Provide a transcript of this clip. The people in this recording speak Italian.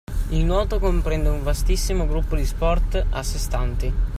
Il nuoto comprende un vastissimo gruppo di sport a sè stanti